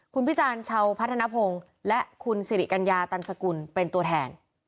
คุณพิจารณ์ชาวพัฒนภงและคุณสิริกัญญาตันสกุลเป็นตัวแทน